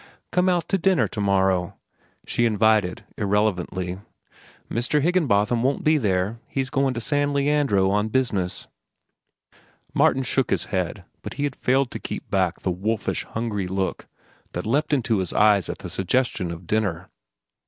"Come out to dinner to morrow," she invited irrelevantly. "Mr. Higginbotham won't be there. He's goin' to San Leandro on business." Martin shook his head, but he had failed to keep back the wolfish, hungry look that leapt into his eyes at the suggestion of dinner.